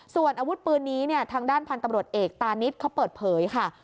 ส่วนอาวุธปืนนี้เนี่ยทางด้านพันธุ์ตำรวจเอกตานิดเขาเปิดเผยค่ะ